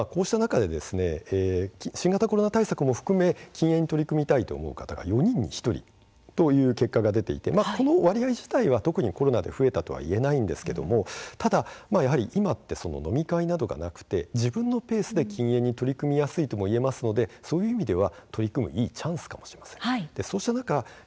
ですのでこうした中で新型コロナ対策も含めて禁煙に取り組みたいという方が４人に１人という割合で出ていてこの割合自体は特にコロナで増えたと言えないんですけれどもただ今、飲み会などがなくて自分のペースで禁煙に取り組みやすいと言えますのでそういう意味では取り組むいいチャンスかもしれません。